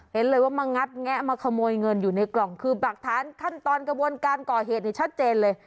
เห็นเลยว่ามางัดแงะมาขโมยเงินอยู่ในกล่องคือหลักฐานขั้นตอนกระบวนการก่อเหตุเนี่ยชัดเจนเลย